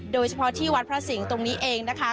โดยเฉพาะที่วัดพระสิงห์ตรงนี้เองนะคะ